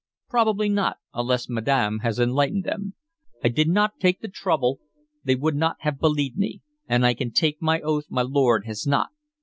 "Probably not, unless madam has enlightened them. I did n't take the trouble, they would n't have believed me, and I can take my oath my lord has n't.